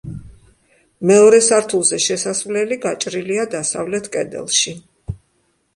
მეორე სართულზე შესასვლელი გაჭრილია დასავლეთ კედელში.